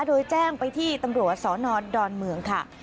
โดยแจ้งไปที่ตำรวจสนดอนเมืองค่ะ